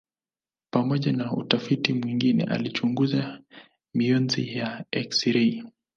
Pamoja na utafiti mwingine alichunguza mionzi ya eksirei.